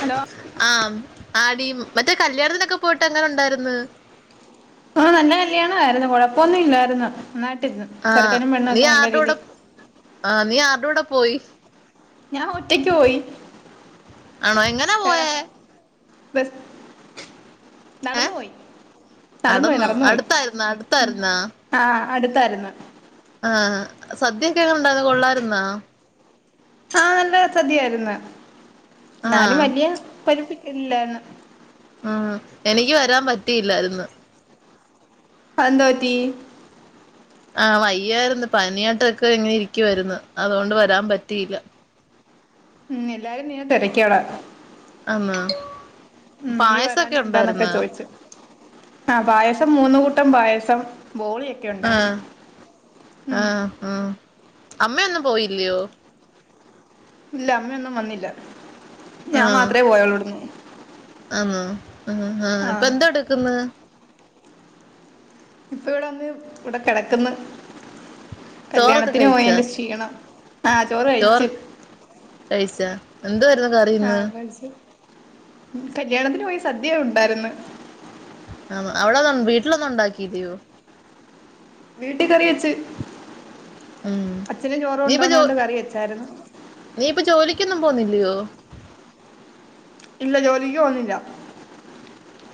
Hello ആ ആടി മറ്റേ കല്യാണത്തിനൊ ക്കെ പോയിട്ട് അങ്ങനെ ഉണ്ടായിര്ന്ന് ആ നല്ല കല്യാണ ആയിരുന്നു കൊഴപ്പൊന്നും ഇല്ലായിരുന്നു നന്നാ ആഹ് നീ ആരുടൊട ആ നീ ആരുടൊടാ പോയി ഞാൻ ഓട്ടേക്ക് പോയി ആണോ എങ്ങനാ വേറെ പോയേ ബസ് ഏ നടന്നു പോയി നടന്നു പോയി നടന്നൊ നടന്നു പോയി അടുത്തായിരുന്നാ ഉം അടുത്തായിരുന്നാ ആഹ് അടുത്തായിരുന്നു ആഹ് സദ്യൊക്കെ എങ്ങനെ ഉണ്ടാര്ന്ന് കൊള്ളാരുന്നാ ആഹ് നല്ല സദ്യയായിരുന്നു ആ എന്നാലും വല്യ [unintelligible] ഇല്ലാണ് ഉം എനിക്ക് വരാൻ പറ്റിയില്ലാര്ന്ന് അതെന്തോ പറ്റി ആഹ് വയ്യായിരുന്നു പനിയാട്ടൊക്കെ ഇങ്ങനെ ഇരിക്കുവായിരുന്നു അതുകൊണ്ട് വരാൻ പറ്റിയില്ല ഉം എല്ലാരും നിന്നെ തിരക്കോടാ ആ ഉം നീ വരാഞ്ഞ എന്താന്നൊക്കെ ചോയിച്ചു ആ പായസം മൂന്ന് കൂട്ടം പായസം ബോളിയൊക്കെ ഉണ്ടായിരുന്നു ആഹ് ഉം ആഹ് ആ അമ്മയൊന്നും പോയില്യോ ഇല്ല അമ്മയൊന്നും വന്നില്ല ഞാൻ മാത്രമേ പോയോള്ളൂ ഇവ്ടന്നു ആന്നൊ ആ ഹ ഹ ഇപ്പൊ ആഹ് എന്ത് എടുക്കുന്നു ഇപ്പൊ ഇവിടെ വന്ന് ഇവിടെ കിടക്കന്ന് ചോറൊക്കെ കല്യാണത്തിന് കഴിച്ചാ പോയേൻറെ ക്ഷീണം ആഹ് ചോറ് കഴിച്ചു കഴിച്ചാ എന്തുവായിരുന്നു കറി ഇന്ന് കല്യാണത്തിന് പോയി സദ്യ ഉണ്ടായിര്ന്ന് ആ അവിടെ വീട്ടിലൊന്നും ഉണ്ടാക്കിലയോ വീട്ടി കറി വെച്ച് ഉം അച്ഛന് ചോറ് നീ ഇപ്പൊ ജോ കൊണ്ടോണോണ്ട് കറി വെച്ചായിരുന്നു നീ ഇപ്പ ജോലിക്കൊന്നും പൊന്നില്ലയോ ഇല്ല ജോലിക്ക് പോന്നില്ല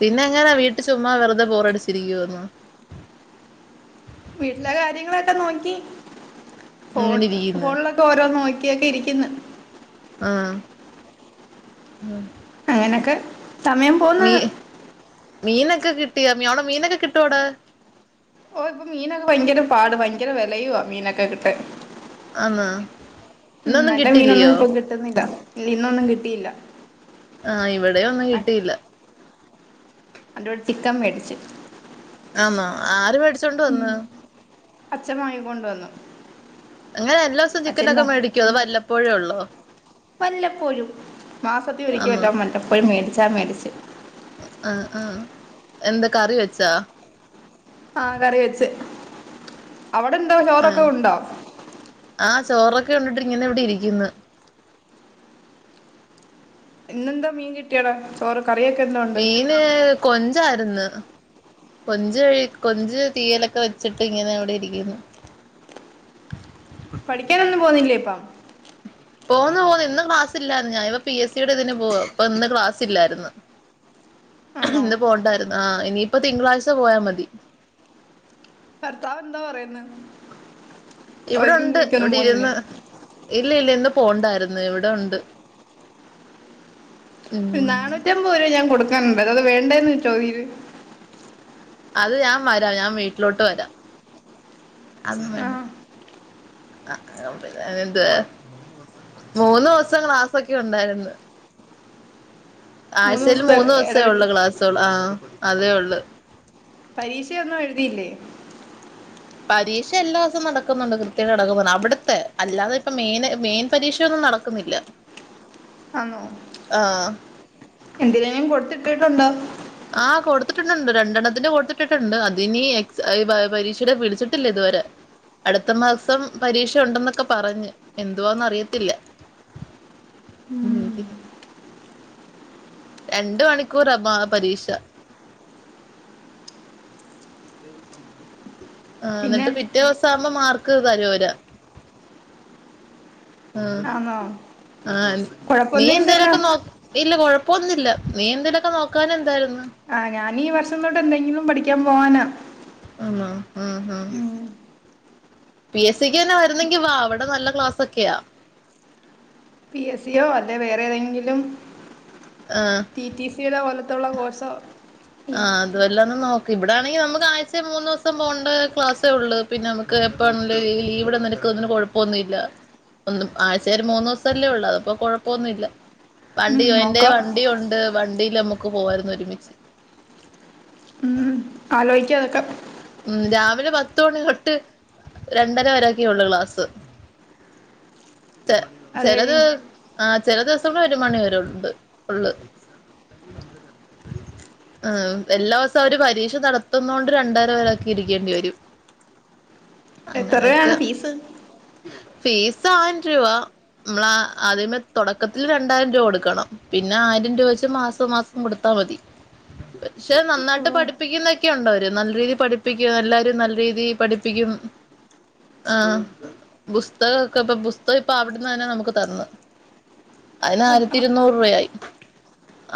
പിന്നെ എങ്ങനാ വീട്ടു ചുമ്മാ വെറുതെ ബോറടിച്ചിരിക്കുവാരുന്നാ വീട്ടിലെ കാര്യങ്ങളൊക്കെ നോക്കി ഫോൺ ഇങ്ങനെ ഇരിക്കുന്ന് ഫോണിലൊക്കെ ഓരോന്ന് നോ ക്കെ ഇരിക്കുന്നു ആഹ് എനക്ക് സമയം പോന്ന് മീ മീനൊക്കെ കിട്ടിയാ അവിടെ മീനൊക്കെ കിട്ടുവോട ഓ ഇപ്പൊ മീനൊക്കെ ഭയങ്കര പാട് ഭയങ്കര വിലയുവാ മീനൊക്കെ കിട്ടാൻ ആന്നോ ഉം ഇന്നൊന്നും നല്ല മീനൊന്നും കിട്ടില്ലയോ ഇപ്പൊ കിട്ടുന്നില്ല ഇല്ല ഇന്നൊന്നും കിട്ടിയില്ല ആഹ് ഇവിടെ ഒന്നും കിട്ടിയില്ല [unintelligible] ചിക്കൻ മേടിച്ചു ആന്നൊ ആര് പഠ- മേടിച്ചോണ്ട് വന്ന് അഛൻ വങ്ങിക്കൊണ്ട് വന്നു അങ്ങനെ എല്ലാ ദിവസം ചിക്കനൊക്കെ അച്ഛൻ്റെ മേടിക്കോ അതൊ വല്ലപ്പോഴേ ഉള്ളോ വല്ലപ്പോഴും ആ അച്ഛൻ മേടിച്ചു ആഹ ആഹ എന്താ കറി വെച്ചാ ആഹ കറി വെച്ച ആ ആ ചോറൊക്കെ ഉണ്ടിട്ട ഇങ്ങനെ എവിടെ ഇരിക്കുന്നു ഇന്നെന്താ മീൻ കിട്ടിയാടാ ചോറ് കറിയൊക്കെ എന്തോ ഉണ്ട് മീന് കൊച്ഞ്ച് ആരുന്നു കൊഞ്ച്ഴി കൊഞ്ച് തീയലൊക്കെ വെച്ചിട്ട് ഇങ്ങനെ അവിടെ ഇരിക്കുന്നു പഠിക്കാനൊന്നും പോന്നില്ലേ ഇപ്പ പോന്നു പോന്നു ഇന്ന് ക്ലാസ് ഇല്ലായിരുന്നു ഞാന ഇപ്പ പി എസ് സിയുടെ ഇതിന് പോ അപ്പ ഇന്ന് ക്ലാസ് ഇല്ലായിരുന്നു ആന്നോ ഇന്ന് പോണ്ടായിരുന്നു ആ ഇനി- ഇപ്പൊ തിങ്കളാഴ്ച പോയാ മതി ഭർത്താവ് എന്തോ പറയന്ന് ഇവിടെ ഒണ്ട് ഇവിടെ ഇരുന്ന് ഇല്ല ഇല്ല ഇന്ന് പോണ്ടായിരുന്നു ഇവിടെ ഒണ്ട് ഒരു നാനൂറ്റമ്പത് രൂപ ഞാൻ കൊടുക്കും ണ്ടത് അത് വേണ്ടേന്ന് ചോദീര് അത് ഞാൻ വരാം ഞാൻ വീട്ടിലോട്ട് വരാം അതൊന്നും ആ വേണ്ട ആ പിന്നെ എന്ത് മൂന്ന് ദിവസം ക്ലാസ്സൊക്കെ ഉണ്ടായിരുന്നു ആഴ്ചയിൽ ദിവസത്തെ മൂന്ന് ദിവസേ ഇടവിട്ട് ഉള്ളൂ ക്ലാസ്സുകൾ അതേ ഉള്ളൂ പരീക്ഷയൊന്നും എഴുതിയില്ലേ പരീക്ഷ എല്ലാ ദേവസും നടക്കുന്നുണ്ട് കൃത്യയുടെ അടക്കം അവിടുത്തെ അല്ലാതെ ഇപ്പ മെയിന് മെയിൻ പരീക്ഷയൊന്നും നടക്കുന്നില്ല ആന്നോ ആഹ് എന്തിലേലും കൊടുത്തി ട്ടുണ്ടോ ആ കൊടുത്തിട്ടുണ്ടണ്ട് രണ്ടെണ്ണത്തിന്റെ കൊടുത്തിട്ടിട്ടുണ്ട് അതിനി പരീക്ഷയുടെ വിളിച്ചിട്ടില്ല ഇതുവരെ അടുത്ത മാസം പരീക്ഷ ഉണ്ടെന്നൊക്കെ പറഞ്ഞ് എന്തുവാന്ന് അറിയത്തില്ല രണ്ട് മണിക്കൂറാ പരീക്ഷ [inaudible] ആ പിന്നെ എന്നിട്ട് പിറ്റേ ദിവസം ആവുമ്പോ മാർ ക്ക് തരൂല ആന്നോ ആ നീ കുഴപ്പമൊന്നും ഇല്ലല്ലോ എന്തേലൊക്കെ നോ ഇല്ല കൊഴ ഇപ്പൊന്നില്ല നീ എന്തലൊക്കെ നോക്കാനെ എന്തായിരുന്നു ആ ഞാനീ വർഷം തൊട്ട് എന്തെങ്കിലും പഠിക് ക്കാമ്പോ വാനാ അ അ ആ പി എസ് സിക്ക് തന്നെ വരുന്നെങ്കി വാ അവിടെ നല്ല ക്ലാസ് ഒക്കെയാ പി എസ് സിയോ അല്ലെ വേറെ ഏതെങ്കിലും- ആഹ് റ്റി റ്റി സിയുടെ പോലെ- ത്തുള്ള കോഴ്സോ- ആ അത് വല്ലോം ഒന്ന് നോക്ക- ഇവിടൊണെങ്കി നമുക്ക് ആഴ്ച മൂന്ന് ദിവസം പോണ്ടേ ക്ലാസ്സേ ഉള്ളൂ പിന്നെ നമുക്ക് എപ്പ വേണെങ്കിലും ലീവ് എടുക്കാം അതിനു കൊഴപ്പമൊന്നുമ ഇല്ല ഒ ആഴ്ച ഒരു മൂന്ന് ദിവസം അല്ലേ ഉള്ളൂ അത്പ്പോ കൊഴപ്പമൊന്നുല്ല ഉം, വണ്ടി എന്റെ നോക്കാം വണ്ടിയ ഉണ്ട് വണ്ടി നമുക്ക് പോവാരുന്നു ഒരുമിച്ച് ആലോയിക്കാ അതൊക്കെ ഉം രാവിലെ പത്തുമണി തൊട്ട് രണ്ടര വരൊക്കെയള്ളു ക്ലാസ്സ് അത് കഴിയും ചെലത് ആ- ചെല ദിവസങ്ങള ഒരു മണി വരെണ്ട് ഉള്ള് എല്ലാ ദിവസവും അവര് പരീക്ഷ നടത്തുന്ന കൊണ്ട് രണ്ടാ വരെയൊക്കെ ഇരിക്കേണ്ടി വരും അങ്ങനൊക്കെ എത്രയാണ് ഫീസ് ഫീസ് ആയിരം രൂപ മ്മള ആദ്യമ തൊടക്കത്തിൽ രണ്ടായിരം രൂപ കൊടുക്കണം പിന്നെ ആയിരം രൂപ വെച്ച് മാസം മാസം കൊടുത്താ മതി പക്ഷെ ഓ, നന്നായിട്ട് പഠിപ്പിക്കുന്നൊക്കെയ ഉണ്ട് അവര് നല്ല രീതി പഠിപ്പിക്കും എല്ലാരും നല്ല രീതി പഠിപ്പിക്കും ആ പുസ്തകൊക്കെ ഇപ്പൊ പുസ്തകം ഇപ്പൊ അവിടെന്ന് തന്നെ നമുക്ക് തന്ന് അ- അയിനായിരത്തി ആ, ഇരുന്നൂറ് രൂപ ആയി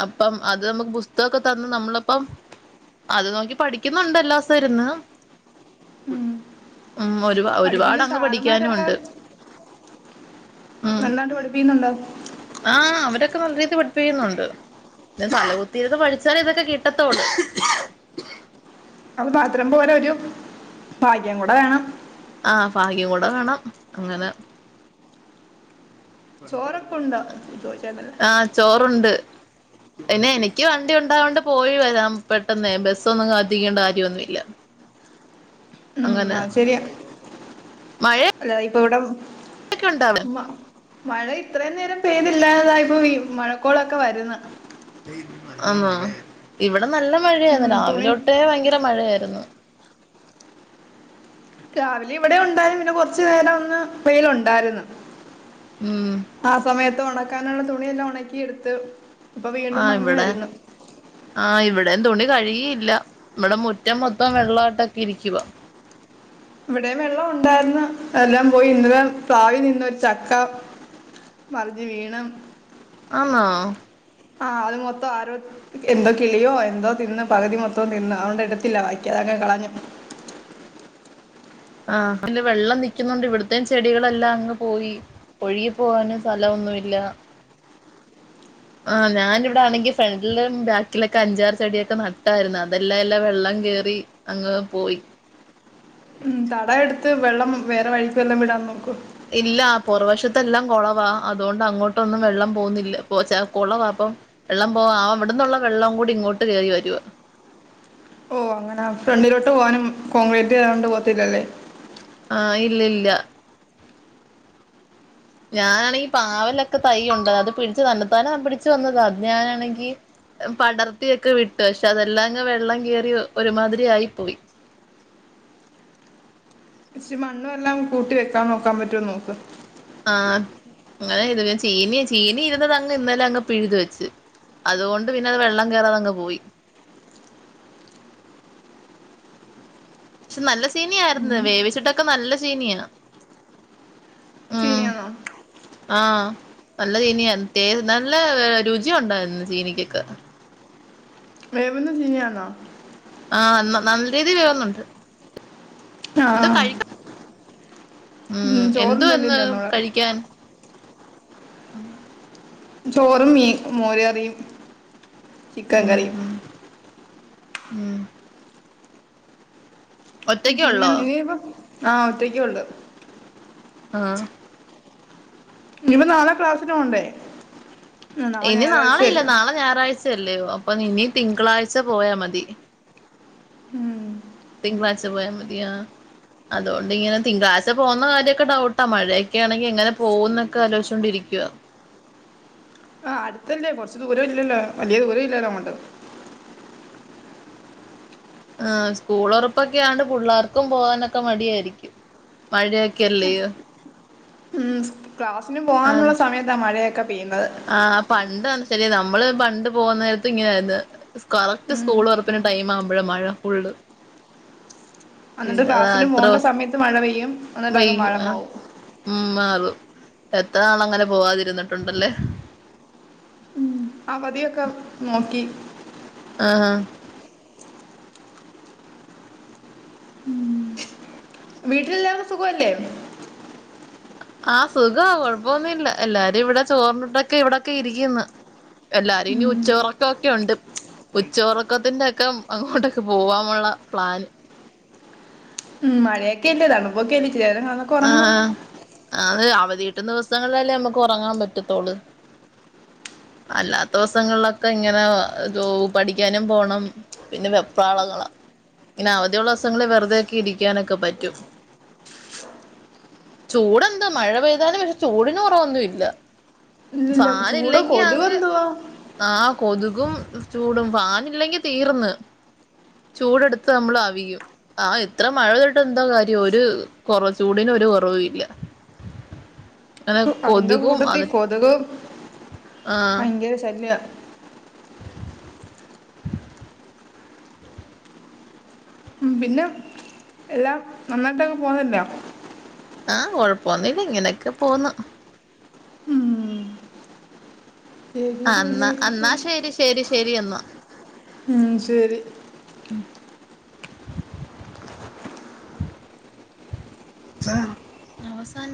അപ്പം അത് മ്മക്ക് പുസ്തകൊക്കെ തന്ന് നമ്മളിപ്പം അത് നോക്കി പഠിക്കുന്നുണ്ടല്ലാസൊഇരുന്ന് ഉം. ഉം ഒരു ഒരുപാട് അങ്ങ് പഠി മാരൊക്കെ നല്ലാണ്ട് പഠിപ്പിക്കുന്നുണ്ടോ ആ അവരൊക്കെ നല്ല രീതി പഠിപ്പിക്കുന്നുണ്ട് തലകുത്തിയിരുന്ന് പഠിച്ചാലേ ഇതൊക്കെ കിട്ടത്തോള്ളൂ അത് മാത്രം പോലെ ഒരു ഭാഗ്യം കൂടെ വേണം ആ ഫാഗ്യം കൂടെ വേണം അങ്ങനെ ചോറൊക്കെ ഉണ്ടോ ചോദിച്ചായിരുന്നല്ലോ ആ ചോറുണ്ട്. പിന്നെ എനിക്ക് വണ്ടി ഉണ്ടാവോണ്ട് പോയി വരാം പെട്ടെന്നെ ബസ്സൊന്നും കാത്തിരിക്കേണ്ട കാര്യമൊന്നുമില്ല ഉം അങ്ങനെ അത് ശെരിയാ അല്ലത ഇവിടം ഒക്കെ ഉണ്ടാവ മഴ ഇത്രയും നേരം പെയ്തില്ലാതായിപ്പോ മഴക്കോളൊക്കെ വരുന്ന ആ ഇവ നല്ല ഉം മഴയായിരുന്നു തുണി രാവിലോട്ട് ഭയങ്കര മഴയായിരുന്നു രാവിലെ ഇവിടെ ഉണ്ടായിരുന്നു പിന്നെ കൊറച്ചു നേരം ഒന്ന് വെയില് ഉണ്ടായിരുന്നു ഉം ആ സമയത്ത് ഉണക്കാനുള്ള തുണിയെല്ലാം ഉണക്കി എടുത്ത് ഇപ്പൊ വീണ്ടും മങ്ങി വരുന്നു ആ ഇവിടെ തുണി കഴിയയില്ല ഇവിടെ മുറ്റം മൊത്തം വെള്ളാട്ടൊക്കെ ഇരിക്കവാ ഇവിടെ വെള്ളം ഉണ്ടായിന്ന് എല്ലാം പോയി ഇന്നല പ്രാവിൽ നിന്നൊരു ചക്ക മറിഞ്ഞ് വീണം ആന്നോ ആഹ് അത് മൊത്തം ആരോ എന്തോ കിളിയോ എന്തോ തിന്ന് പകുതി മൊത്തം തിന്ന് അതൊണ്ട് ഇടുത്തില്ല വായിക്കാ അതങ്ങെ കളഞ്ഞു ആഹ അെ വെള്ളം നിക്കുന്നുണ്ട് ഇവിടത്തേയും ചെടികളെല്ലാം അങ്ങ് പോയി ഒഴിെ പോകാനും സ്ഥലഒന്നുമി ല്ല ആഹ ഞാന ഇവിടെ ആണെങ്കി ഫ്രണ്ടിലും ബാക്കിലൊക്കെ അഞ്ചാറ് ചെടിയൊക്കെ നട്ടായിരുന്നു അതെല്ലാം എല്ലാം വെള്ളം കേറി അങ്ങ്ങ് പോയി ഉ തടയ എടുത്ത് വെള്ളം വേറെ വഴിക്ക് എല്ലാം വിടാന്ന് നോക്കും ഇല്ല പുറവശത്തെ എല്ലാം കുളവാ അതുകൊണ്ട് അങ്ങോട്ടൊന്നും വെള്ളം പോകുന്നില്ല കുളവാ അപ്പം വെള്ളം പോവാ ആ അവിടന്നുള്ള വെള്ളം കൂടി ഇങ്ങോട്ട് കേയറി വരുവാ ഓ അങ്ങനെ ഫ്രണ്ടിലോട്ട് പോകാനും കോൺക്രീറ്റ്ത കൊണ്ട് പോകത്തില്ലല്ലേ ആ ഇല്ല ഇല്ല ഞാനാണെങ്ക പാവലൊക്കെ തൈുണ്ട് അത് പിടിച്ചു തന്നെത്താനൻ പിടിച്ചു വന്നത് അത് ഞാനാണെങ്കി പടർത്തിയ ഒക്കെ വിട്ടു പക്ഷെ അതെല്ലാം അങ്ങ് വെള്ളം കയറി ഒരുമാതിരി ആയി പോയി പക്ഷി മണ്ണും എല്ലാം കൂട്ടി വെക്കാൻ നോക്കാൻ പറ്റുവോ നോക്ക് ആഹ അങ്ങനെ ഇത് പിെ ചീന ചീനി ഇരുന്നത് അങ്ങ് ഇന്നലെ അങ്ങ് പിഴുത് വെച്ച് അതുകൊണ്ട് പിന്നെ അത് വെള്ളം കേയറാതങ്ങ് പോയി പക്ഷെ നല്ല ചീനിയ ആായിരുന്നു വേവിച്ചിട്ടൊക്കെ നല്ല ചിനിയാണ് ചീനിയെന്നാ ആ നല്ല ചീനിയ നല്ല രുചിയ ഉണ്ടായിരുന്നു ചീനിക്കൊക്കെ ിയാന ആഹ എന്ന നല്ല രീതിയിൽ വന്നണ്ട് ആ എന്താ കഴിക്ക ഉം എന്തു ചോറുണ്ടോണ്ട് ഇനി എന്ന് തന്നോളാം കഴിക്കാൻ ചോറും മീ മോര്യറിയും ചിക്കൻ ഉം കറിയും ഉം ഉം ഒറ്റക്ക ഉള്ളോ ഇനിയിപ്പ ആ ഒറ്റക്ക ഉണ്ട് ആഹ ഇനിപ്പ നാലാം ക്ലാസ്സിന പോണ്ടേ ഇനി നാളെ ഇല്ല നാളെ ഞായറാഴ്ച ല്ലേോ അപ്പൊ ഇനി തിങ്കളാഴ്ച പോയാ മതി ഉം. തിങ്കളാഴ്ച പോയാ മതിയാ അതുകൊണ്ട്ിങ്ങനെ തിങ്കളാഴ്ച പോകുന്ന കാര്യമൊക്കെ ഡൗട്ടാ മഴയൊക്കൊണെങ്കി എങ്ങനെ പോകന്നൊക്കെ ആലോചിച്ചോണ്ടിരിക്കുവ ആ അടുത്തല്ലേ കൊറച്ചു ദൂരം ഇല്ലല്ലോ വലിയ ദൂരം ഇല്ലല്ലോ അൊണ്ട് ആ സ്കൂൾ ഉറപ്പൊക്കെയാണ്ട് പിള്ളേർക്കും പോകാനൊക്കെ മടിയായിരിക്കും മഴയൊക്കെല്ലേ ക്ലാസ്സിനും പോകാനുള്ള അതെ സമയത്താ മഴയൊക്കെ പെയ്യുന്നത് ശരി നമ്മള് പണ്ട് പോകുന്ന നേരത്ത് ഇങ്ങനൊയിരുന്നു കറക്റ്റ് ഉം സ്കൂള് വറപ്പി ടൈം ആവുമ്പോഴേ മഴ ഫുള്ള് എന്നിട്ട് പിന്നെ അതാ ക്ലാസിനന് പോകണ്ട എത്ര സമയത്ത് മഴ പെയ്യും എന്നിട്ട് അക വെയ് മഴ ആഹ് പോവും ഉം മാറും എത്ര നാള അങ്ങനെ പോവാതിരുന്നിട്ടുണ്ടല്ലേ അവധിയൊക്കെ നോക്കി ആഹ വീട്ടിലെല്ലാവടെ സുഖല്ലേ ആഹ സുഖമാ കൊഴപ്പൊന്നുമല്ല എല്ലാരും ഇവിടെ ചോർന്നിട്ടൊക്കെ ഇവിടെൊക്കെ ഇരിക്കന്ന് എല്ലാരും ഇനി ഉച്ച ഉം ഉറക്കമൊക്കെ ഉണ്ട് ഉച്ച ഉറക്കത്തിന്റെ ഒക്കെ അങ്ങോട്ടൊക്കെ പോവാാനുള്ള പ്ലാന് ഉം മഴയൊക്കെ എല്ലേതാണ്പ്പൊക്കെ എ ശരിതൊക്കെ ഉറങ്ങണം ആഹ് അത് അവധി കിട്ടുന്ന ദിവസങ്ങളിലല്ലേ നമ്മുക്ക് ഉറങ്ങാൻ പറ്റത്തോളൂ അല്ലാത്ത ദിവസങ്ങളിലൊക്കെ ഇങ്ങനെ ജോ പഠിക്കാനും പോണം പിന്നെ വെപ്രാളങ്ങള ഇങ്ങനെ അവധിയുള്ള ദിവസങ്ങളിൽ വെറുതെക്കെ ഇരിക്കാനൊക്കെ പറ്റും ചൂടെന്താ മഴ പെയ്താലും പക്ഷെ ചൂടന് കുറവൊന്നും ഇല്ല ഇല്ലില്ല ചൂടൊ ഫാനില്ലെങ്കി അങ്ങ് കൊതുെന്തുവാ ആഹ് കൊതുകും ചൂടും വാനില്ലെങ്കി തീർന്ന് ചൂട്ടുത്ത് നമ്മൾ അവിയും ആ ഇത്ര മഴ തട്ട് എന്താ കാര്യം ഒരു കൊറ ചൂടിന ഒരു കുറവ ഇല്ല അങ്ങനെ അതിന്റെ കൊതുകും കൂട്ടത്തി അത് കൊതക് ആഹ് ഭയങ്കര ശല്യ ഉ പിന്നെ എല്ലാ നന്നായിട്ടങ്െ പോുന്നല്ലോ ആഹ കൊഴപ്പൊന്ന ഇല്ല ഇങ്ങനെയൊക്കെ പോന്നു അന്നാ എന്നാ ശരി ശരി ശരി എന്നാ ഉം ശരി ഉ ആ അവസാന